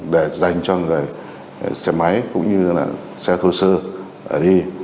để dành cho người xe máy cũng như là xe thô sơ đi